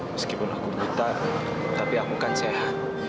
meskipun aku buta tapi aku kan sehat